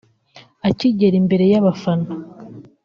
Akigera imbere y’abafana